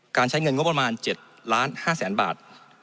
การใช้เงินงบประมาณ๗ล้าน๕แสนบาท